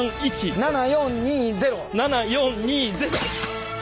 ７４２０。